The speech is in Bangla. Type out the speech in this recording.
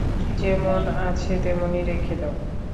যেমন আছে তেমনি রেখে দাও।